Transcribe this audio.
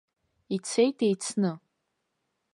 Ицеит еицны.